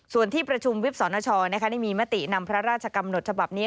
ส่วนที่ประชุมวิบสนชได้มีมตินำพระราชกำหนดฉบับนี้